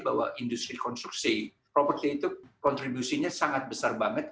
bahwa industri konstruksi properti itu kontribusinya sangat besar banget